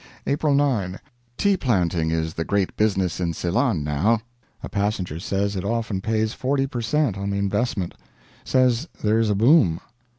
April 9. Tea planting is the great business in Ceylon, now. A passenger says it often pays 40 per cent. on the investment. Says there is a boom.